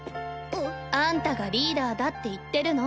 あんたがリーダーだって言ってるの。